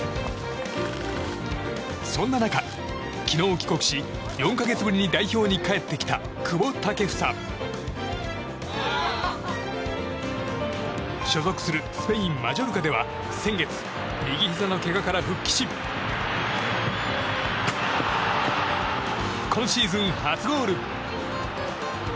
そんな中、昨日帰国し４か月ぶりに代表に帰ってきた久保建英。所属するスペイン、マジョルカでは先月、右ひざのけがから復帰し今シーズン初ゴール。